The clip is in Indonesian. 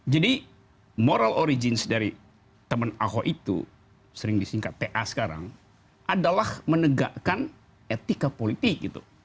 jadi moral origins dari teman ahok itu sering disingkat ta sekarang adalah menegakkan etika politik